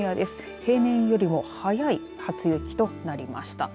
平年よりも早い初雪となりました。